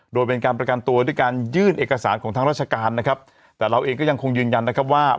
โดยเป็นการประกันตัวด้วยการยื่นเอกสารของทางราชการนะครับแต่เราเองก็ยังคงยืนยันนะครับว่า